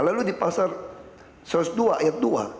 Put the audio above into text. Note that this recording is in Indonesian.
lalu di pasal satu ratus dua ayat dua